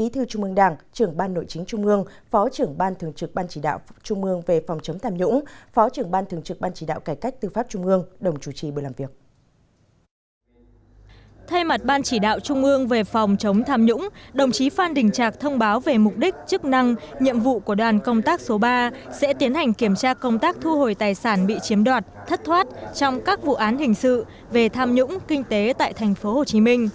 thay mặt ban chỉ đạo trung ương về phòng chống tham nhũng đồng chí phan đình trạc thông báo về mục đích chức năng nhiệm vụ của đoàn công tác số ba sẽ tiến hành kiểm tra công tác thu hồi tài sản bị chiếm đoạt thất thoát trong các vụ án hình sự về tham nhũng kinh tế tại tp hcm